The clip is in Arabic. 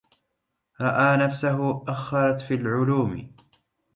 رأى نفسه أخرت في العلوم